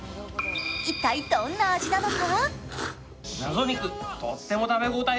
一体どんな味なのか。